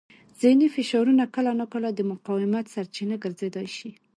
ذهني فشارونه کله ناکله د مقاومت سرچینه ګرځېدای شي.